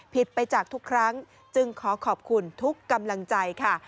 ผิดไปจากทุกครั้งจึงขอขอบคุณทุกกำลังใจค่ะ